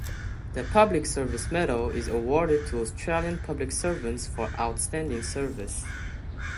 The Public Service Medal is awarded to Australian public servants for outstanding service.